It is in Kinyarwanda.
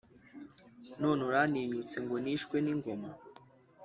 none uratinyutse ngo nishwe n'ingoma